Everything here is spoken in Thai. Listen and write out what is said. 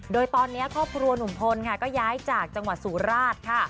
โดยตอนนี้ครอบครัวหนุ่มพลค่ะก็ย้ายจากจังหวัดสุราชค่ะ